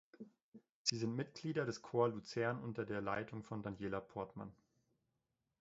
Sie sind Mitglieder des Chor Luzern unter der Leitung von Daniela Portmann.